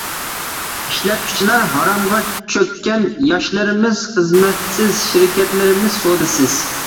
ئىشلەتكۈچىلەر ھارامغا چۆككەن، ياشلىرىمىز خىزمەتسىز، شىركەتلىرىمىز سودىسىز.